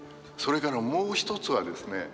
それからもう一つはですね